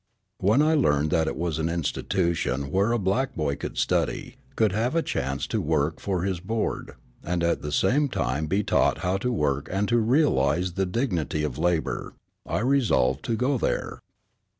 When I learned that it was an institution where a black boy could study, could have a chance to work for his board, and at the same time be taught how to work and to realise the dignity of labor, I resolved to go there.